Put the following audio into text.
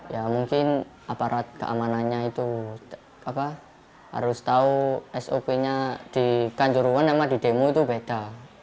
ya mungkin aparat keamanannya itu harus tahu sop nya di kanjuruhan sama di demo itu beda